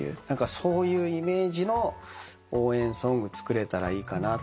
そういうイメージの応援ソング作れたらいいかなって